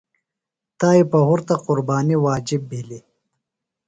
تائی پہُرتہ قربانیۡ واجب بِھلیۡ۔